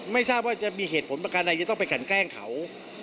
ไม่ทราบว่าจะมีเหตุผลประการใดจะต้องไปกันแกล้งเขา